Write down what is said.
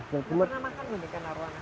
kamu pernah makan belum ikan arowana